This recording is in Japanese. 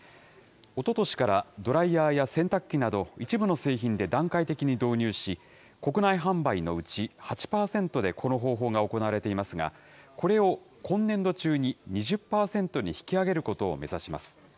おととしからドライヤーや洗濯機など、一部の製品で段階的に導入し、国内販売のうち８％でこの方法が行われていますが、これを今年度中に２０％に引き上げることを目指します。